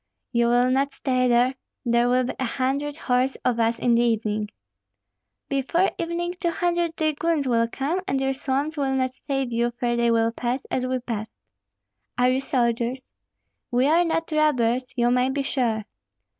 "You will not stay there, there will be a hundred horse of us in the evening." "Before evening two hundred dragoons will come, and your swamps will not save you, for they will pass as we passed." "Are you soldiers?" "We are not robbers, you may be sure."